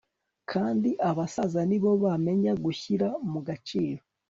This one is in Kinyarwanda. kandi abasaza ni bo bamenya gushyira mu gaciro